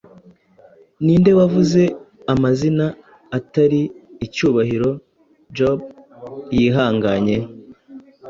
Ninde wavuze amazina atari icyubahiro Job yihanganye